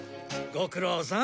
ご苦労さん。